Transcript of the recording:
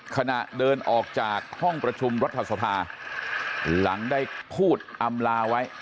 ขณะเดินออกจากห้องประชุมรัฐสภาหลังได้พูดอำลาไว้